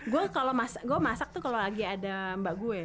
gue kalau masak tuh kalau lagi ada mbak gue